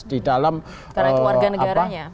di dalam warga negaranya